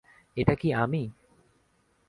এটা কি আমি?